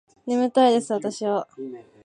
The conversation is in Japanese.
眠たいです私は